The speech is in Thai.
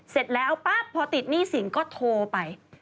เสร็จแล้วปั๊บพอติดหนี้สินก็โทรไป